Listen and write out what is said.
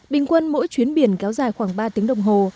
bình quân mỗi chuyến biển kéo dài khoảng ba tiếng đồng hồ